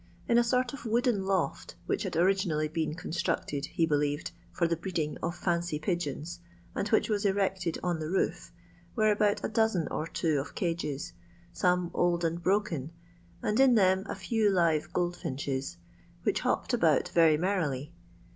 In a sort of wooden loft, which had originally been constructed, he believed, for the breeding of fisney pigeons, and which was erected on the roo^ were about a dosen or two of cages, some old and broken, and in them a fow live goldfinches, which hopped about very merrily.